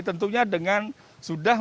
tentunya dengan sudah melakukan